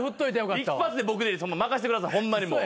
一発で僕で任してくださいホンマにもう。